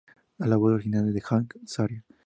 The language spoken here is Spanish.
La voz original es de Hank Azaria.